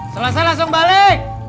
selesai langsung balik